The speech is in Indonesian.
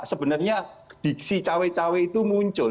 sebenarnya diksi cawe cawe itu muncul